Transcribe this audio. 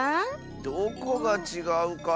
どこがちがうかなあ。